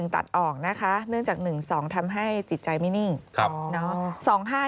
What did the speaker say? ตัดออกนะคะเนื่องจาก๑๒ทำให้จิตใจไม่นิ่ง